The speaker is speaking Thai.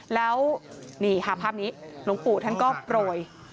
แล้วนี่ค่ะภาพนี้หลวงปู่ท่านก็โปรย